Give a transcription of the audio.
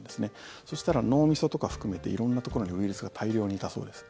そしたら脳みそとか含めて色んなところにウイルスが大量にいたそうです。